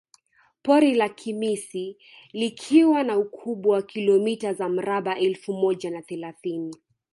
Pori la Kimisi likiwa na ukubwa wa kilomita za mraba elfu moja na thelathini